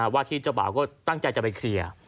ว่าที่เจ้าบ่าวก็ตั้งใจจะไปเคลียร์